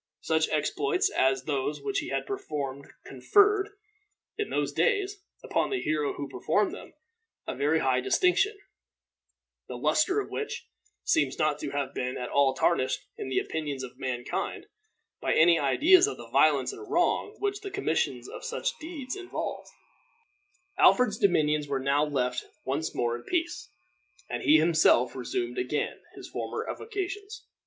Such exploits as those which he had performed conferred, in those days, upon the hero who performed them, a very high distinction, the luster of which seems not to have been at all tarnished in the opinions of mankind by any ideas of the violence and wrong which the commission of such deeds involved. Alfred's dominions were now left once more in peace, and he himself resumed again his former avocations.